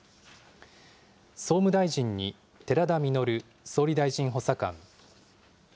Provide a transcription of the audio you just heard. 総務大臣に寺田稔総理大臣補佐官。